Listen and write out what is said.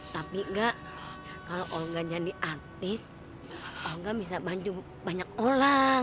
tapi enggak kalau olga jadi artis olga bisa bantu banyak orang